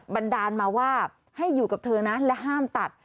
ันดาลมาว่าให้อยู่กับเธอนะและห้ามตัด